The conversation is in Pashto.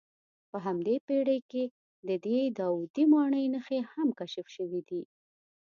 په همدې پېړۍ کې د دې داودي ماڼۍ نښې هم کشف شوې دي.